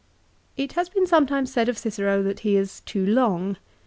It has been some times said of Cicero that he is too long.